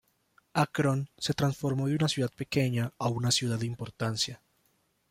Akron se transformó de una ciudad pequeña a una ciudad de importancia.